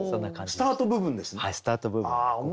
スタート部分ですね？